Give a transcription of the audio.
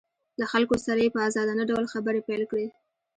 له خلکو سره یې په ازادانه ډول خبرې پیل کړې